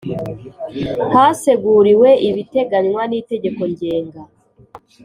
Haseguriwe ibiteganywa n Itegeko Ngenga